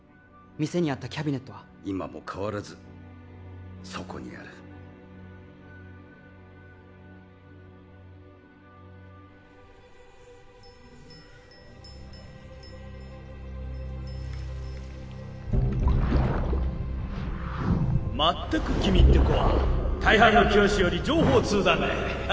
店にあったキャビネットは今も変わらずそこにあるまったく君って子は大半の教師より情報通だね